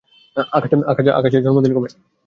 আকাশের জন্মদিন কবে?